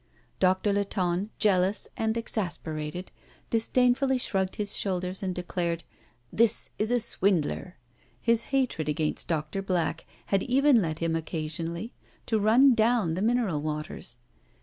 Doctor Latonne, jealous and exasperated, disdainfully shrugged his shoulders, and declared: "This is a swindler!" His hatred against Doctor Black had even led him occasionally to run down the mineral waters.